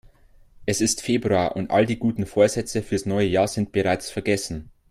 Es ist Februar und all die guten Vorsätze fürs neue Jahr sind bereits vergessen.